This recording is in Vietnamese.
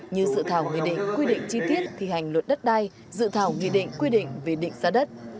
như dự thảo nghị định quy định chi tiết thi hành luật đất đai dự thảo nghị định quy định về định xã đất